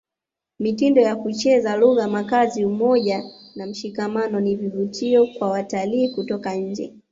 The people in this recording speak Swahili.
mitindo ya kucheza lugha makazi umoja na mshikamano ni vivutio kwa watalii kutoka nje